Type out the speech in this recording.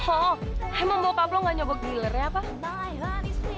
oh emang bapak lo gak nyobok dealer ya apa